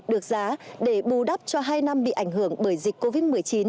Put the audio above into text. được giá để bù đắp cho hai năm bị ảnh hưởng bởi dịch covid một mươi chín